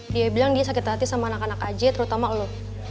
dia bilang dia sakit hati sama anak anak aja terutama loh